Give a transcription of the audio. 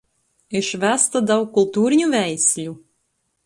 Išvesta daug kultūrinių veislių.